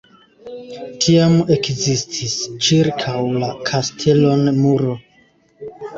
Tiam ekzistis ĉirkaŭ la kastelon muro.